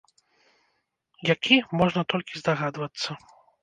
Які, можна толькі здагадвацца.